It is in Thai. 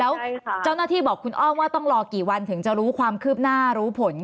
แล้วเจ้าหน้าที่บอกคุณอ้อมว่าต้องรอกี่วันถึงจะรู้ความคืบหน้ารู้ผล